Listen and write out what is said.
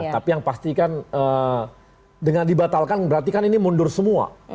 tapi yang pasti kan dengan dibatalkan berarti kan ini mundur semua